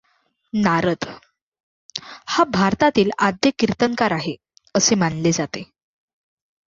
नारद हा भारतातील आद्य कीर्तनकार आहे, असे मानले जाते.